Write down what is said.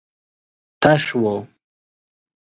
تش و.